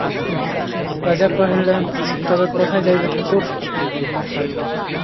রাজা কহিলেন, তবে কোথায় যাইবে, ঠাকুর?